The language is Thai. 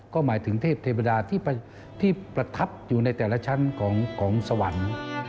ก็หมายถึงเทพเทวดาที่ประทับอยู่ในแต่ละชั้นของสวรรค์